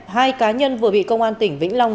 hai cá nhân vừa bị công an tỉnh vĩnh long